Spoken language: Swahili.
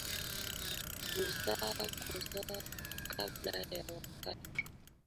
kuzaa kuzaa kabla ya wakati na kupunguzwa kwa uzito wa mtoto